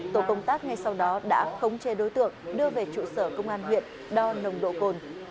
tổ công tác ngay sau đó đã khống chế đối tượng đưa về trụ sở công an huyện đo nồng độ cồn